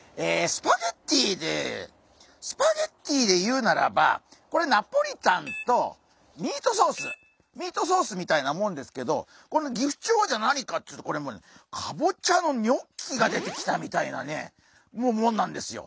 スパゲッティでスパゲッティで言うならばこれナポリタンとミートソースミートソースみたいなもんですけどこのギフチョウはじゃあ何かっていうとこれもうねかぼちゃのニョッキが出てきたみたいなねもんなんですよ。